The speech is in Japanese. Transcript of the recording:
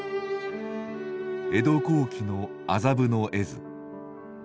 江戸後期の麻布の絵図。